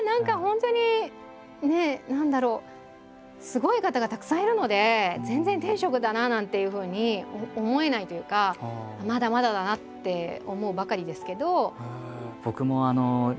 すごい方がたくさんいるので全然天職だななんていうふうに思えないというかまだまだだなって思うばかりですけど。